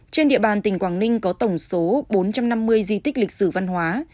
trên địa bàn tỉnh quảng ninh có tổng số bốn trăm năm mươi di tích lịch sử văn hóa